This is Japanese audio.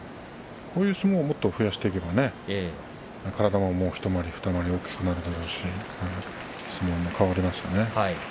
こういう相撲をもっと増やしていけば体も一回り二回り大きくなるだろうし相撲も変わりますね。